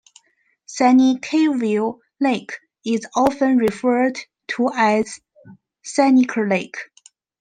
Senecaville Lake is often referred to as Seneca Lake.